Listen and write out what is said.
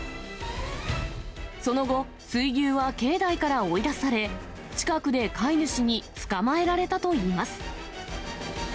その後、水牛は境内から追い出され、近くで飼い主に捕まえられたといいます。